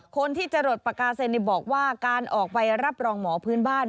คนที่จะหลดปากกาเซ็นบอกว่าการออกไปรับรองหมอพื้นบ้าน